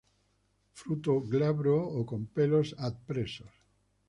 Fruto glabro o con pelos adpresos.